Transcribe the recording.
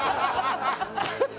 ハハハハ！